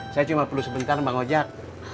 saya cuma perlu sebentar bang ojek